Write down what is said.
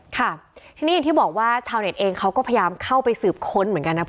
ค่ะทีนี้อย่างที่บอกว่าชาวเน็ตเองเขาก็พยายามเข้าไปสืบค้นเหมือนกันนะ